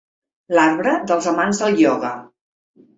L'arbre dels amants del ioga.